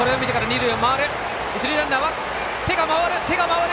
一塁ランナーは手が回る。